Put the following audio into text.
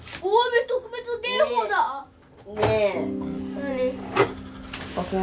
何？